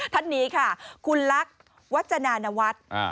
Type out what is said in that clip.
ท่านนี้ค่ะคุณลักษณ์วัจจนานวัฒน์